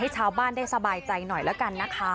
ชาวบ้านได้สบายใจหน่อยแล้วกันนะคะ